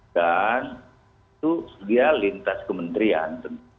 dan itu dia lintas kementerian